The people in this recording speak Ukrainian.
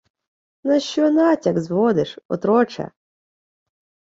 — На що натяк зводиш, отроче?